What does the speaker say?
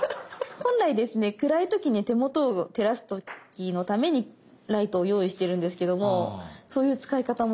本来ですね暗い時に手元を照らす時のためにライトを用意してるんですけどもそういう使い方も。